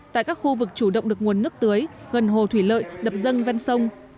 tại các khu vực chủ động được nguồn nước tưới gần hồ thủy lợi đập dân ven sông